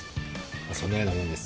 そんなようなもんです。